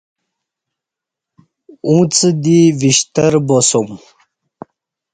اُݩڅ دی وِݜترباسوم